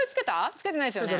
つけてないですよね？